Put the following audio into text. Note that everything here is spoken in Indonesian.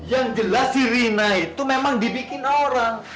yang jelas si rina itu memang dibikin orang